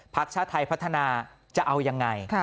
ชาติไทยพัฒนาจะเอายังไง